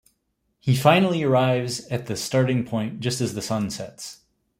He finally arrives at the starting point just as the sun sets.